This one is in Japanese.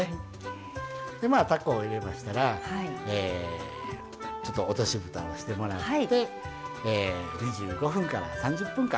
たこを入れましたら落としぶたをしてもらって２５分から３０分間